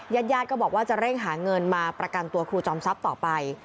ญาติญาติก็บอกว่าจะเร่งหาเงินมาประกันตัวครูจอมทรัพย์ต่อไป